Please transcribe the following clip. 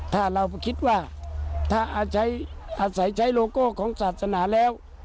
ถ้าเราคิดว่าถ้าอาศัยใช้โลโก้ของศาสนาแล้ว